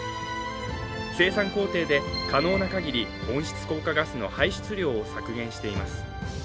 生産工程で可能なかぎり温室効果ガスの排出量を削減しています。